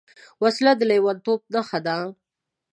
وسله د لېونتوب نښه ده